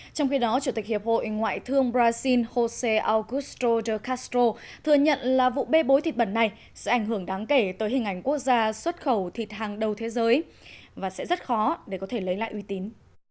trong khi đó chủ tịch hiệp hội ngoại thương brazil jose au kushroder castro thừa nhận là vụ bê bối thịt bẩn này sẽ ảnh hưởng đáng kể tới hình ảnh quốc gia xuất khẩu thịt hàng đầu thế giới và sẽ rất khó để có thể lấy lại uy tín